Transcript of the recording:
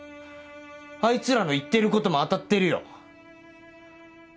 あいつらの言ってることも当たってるよ。